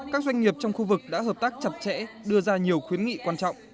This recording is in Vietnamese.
các doanh nghiệp trong khu vực đã hợp tác chặt chẽ đưa ra nhiều khuyến nghị quan trọng